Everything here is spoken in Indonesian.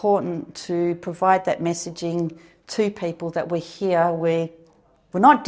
untuk kami sangat penting